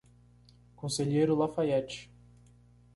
Conselheiro Lafaiete